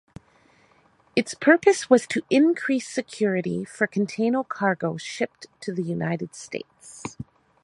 Its purpose was to increase security for container cargo shipped to the United States.